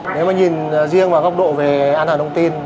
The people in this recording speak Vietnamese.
nếu mà nhìn riêng vào góc độ về an toàn thông tin